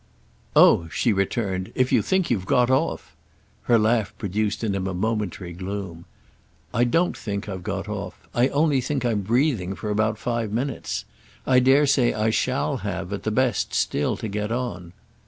"Oh," she returned, "if you think you've got off—!" Her laugh produced in him a momentary gloom. "I don't think I've got off. I only think I'm breathing for about five minutes. I dare say I shall have, at the best, still to get on."